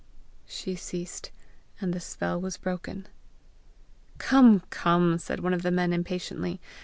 She ceased, and the spell was broken. "Come, come!" said one of the men impatiently.